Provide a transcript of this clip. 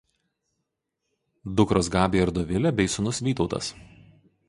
Dukros Gabija ir Dovilė bei sūnus Vytautas.